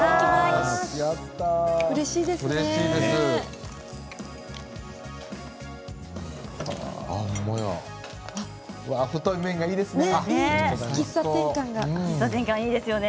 うれしいですね。